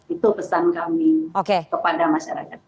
itu pesan kami kepada masyarakat